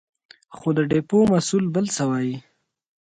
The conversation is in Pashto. خو د ډېپو مسوول بل څه وايې.